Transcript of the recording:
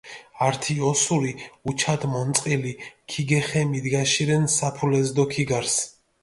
ართი ოსური უჩათ მონწყილი ქიგეხე მიდგაშირენ საფულეს დო ქიგარს.